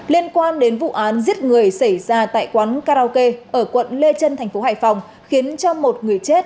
liên quan đến vụ án giết người xảy ra tại quán karaoke ở quận lê trân thành phố hải phòng khiến cho một người chết